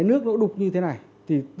nước nó đục như thế này thì